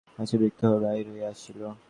আশা বিরক্ত হইয়া বাহির হইয়া আসিল।